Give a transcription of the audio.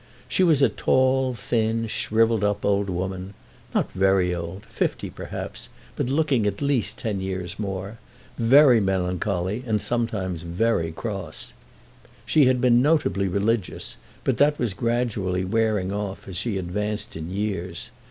She was a tall, thin, shrivelled up old woman, not very old, fifty perhaps, but looking at least ten years more, very melancholy, and sometimes very cross. She had been notably religious, but that was gradually wearing off as she advanced in years.